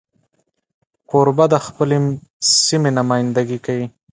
کوربه د خپلې سیمې نمایندګي کوي.